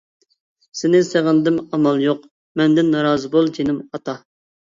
سېنى سېغىندىم ئامال يوق مەندىن رازى بول! جېنىم ئاتا.